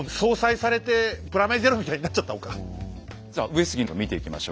さあ上杉の見ていきましょう。